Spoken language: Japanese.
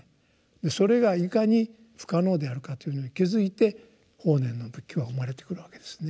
それがいかに不可能であるかというのに気付いて法然の仏教は生まれてくるわけですね。